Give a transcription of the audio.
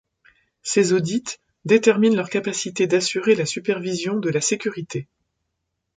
Ces audits déterminent leur capacité d'assurer la supervision de la sécurité.